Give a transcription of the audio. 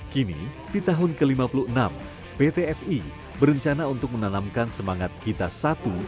kini di tahun ke lima puluh enam pt fi berencana untuk menanamkan semangat kita satu